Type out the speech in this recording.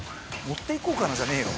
「持っていこうかなじゃねえよ」